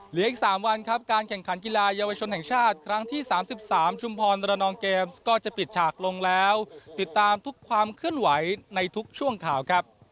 เหลืออีก๓วันครับการแข่งขันกีฬาเยาวชนแห่งชาติครั้งที่๓๓ชุมพรระนองเกมส์ก็จะปิดฉากลงแล้วติดตามทุกความเคลื่อนไหวในทุกช่วงข่าวครับ